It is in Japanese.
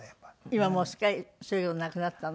今はもうすっかりそういうのなくなったの？